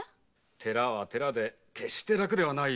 寺は寺で決して楽ではないゆえなあ。